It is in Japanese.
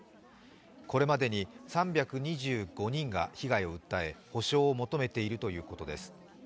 これまで３２５人が被害を訴え補償を求めているということです。